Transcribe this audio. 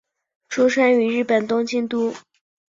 出身于日本东京都。